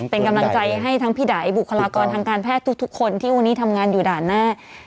เป็นกำลังใจให้ทั้งพี่ไดบุคลากรทางการแพทย์ทุกคนที่วันนี้ทำงานอยู่ด่านหน้า